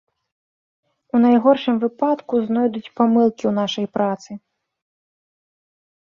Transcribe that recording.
У найгоршым выпадку знойдуць памылкі ў нашай працы.